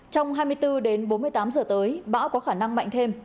trong hai mươi bốn đến bốn mươi tám giờ tới bão có khả năng mạnh thêm